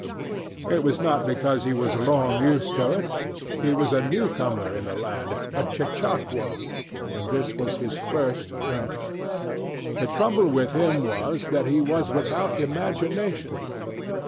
It was not because he was long used to it. He was a new comer in the land, a chechaquo, and this was his first winter. The trouble with him was that he was without imagination.